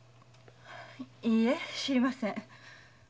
いいえ知りません。